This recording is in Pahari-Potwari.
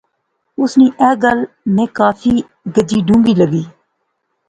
اس نی ایہہ گل میں کافی گجی ڈونغی لغی